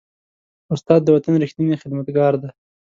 استاد د وطن ریښتینی خدمتګار دی.